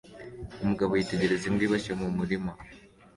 Umugabo yitegereza imbwa iboshye mu murima